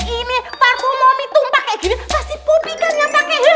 ini parfum momi tuh pake gini pasti poppy kan yang pake